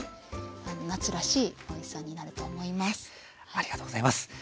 ありがとうございます。